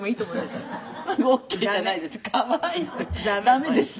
駄目です。